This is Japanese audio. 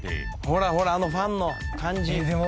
ほらほらあのファンの感じ。